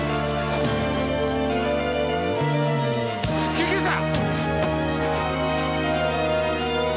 救急車！